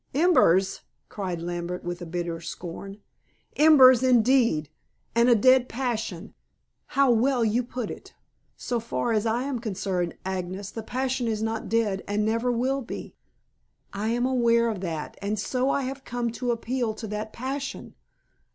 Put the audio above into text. "Embers!" cried Lambert with bitter scorn. "Embers, indeed! And a dead passion; how well you put it. So far as I am concerned, Agnes, the passion is not dead and never will be." "I am aware of that, and so I have come to appeal to that passion.